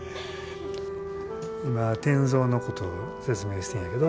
今転造のことを説明してんやけど。